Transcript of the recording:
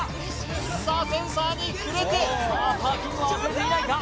さあセンサーに触れてさあパーキングは忘れていないか？